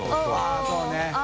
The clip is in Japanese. ◆舛そうね。